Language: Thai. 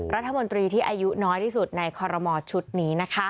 รัฐมนตรีที่อายุน้อยที่สุดในคอรมอชุดนี้นะคะ